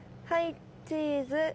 はいチーズ。